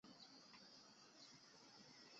经纪公司为日本音乐娱乐。